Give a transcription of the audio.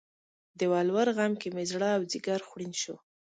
د ولور غم کې مې زړه او ځیګر خوړین شو